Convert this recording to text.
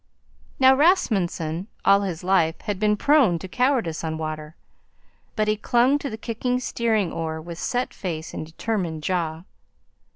Now Rasmunsen all his life had been prone to cowardice on water, but he clung to the kicking steering oar with set face and determined jaw.